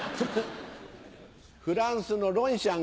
フランスのロンシャン